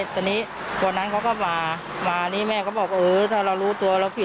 ตอนนั้นเขาก็มาแม่ก็บอกว่าถ้าเรารู้ตัวเราผิด